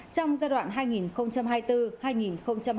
trong giai đoạn hai nghìn hai mươi bốn hai nghìn hai mươi năm